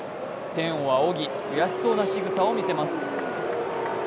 天を仰ぎ、悔しそうなしぐさを見せます。